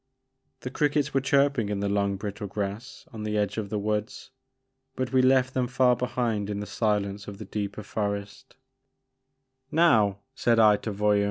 The crickets were chirping in the long brittle grass on the edge of the woods, but we left them far behind in the silence of the deeper forest* 20 The Maker of Moons. '* Now !'* said I to Voyou.